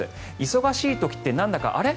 忙しい時ってなんだかあれ？